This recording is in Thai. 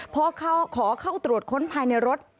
พอขอเข้าตรวจค้นภายในรถ